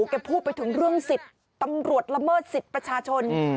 แกพูดไปถึงเรื่องสิทธิ์ตำรวจละเมิดสิทธิ์ประชาชน